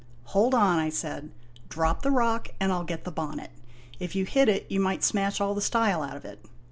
" Hold on !" I said. " Drop the rock, and I '11 get the bonnet. If you hit it, you might smash all the style out of it."